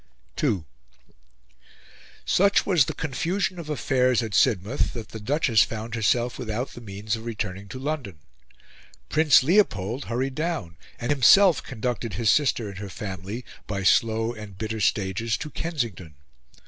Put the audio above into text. II Such was the confusion of affairs at Sidmouth, that the Duchess found herself without the means of returning to London. Prince Leopold hurried down, and himself conducted his sister and her family, by slow and bitter stages, to Kensington.